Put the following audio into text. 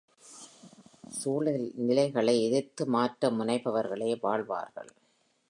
சூழ்நிலைகளை எதிர்த்து மாற்ற முனைபவர்களே வாழ்வார்கள்.